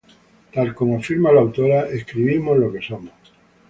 Tal como afirma la autora, ""escribimos lo que somos"".